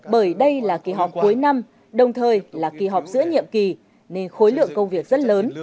bởi đây là kỳ họp cuối năm đồng thời là kỳ họp giữa nhiệm kỳ nên khối lượng công việc rất lớn